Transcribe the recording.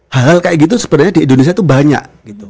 hal kayak gitu sebenernya di indonesia tuh banyak